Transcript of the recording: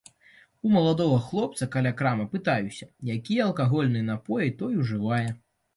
У маладога хлопца каля крамы пытаюся, якія алкагольныя напоі той ужывае.